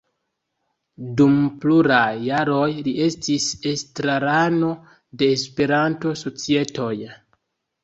Dum pluraj jaroj li estis estrarano de Esperanto-societoj.